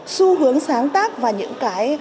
xu hướng sáng tác và những cái